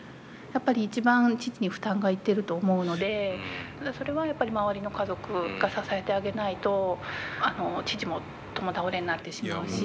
やっぱり一番父に負担がいってると思うのでそれはやっぱり周りの家族が支えてあげないと父も共倒れになってしまうし。